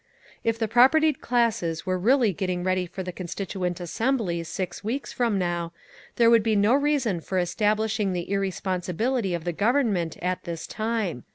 "If the propertied classes were really getting ready for the Constituent Assembly six weeks from now, there could be no reason for establishing the irresponsibility of the Government at this time.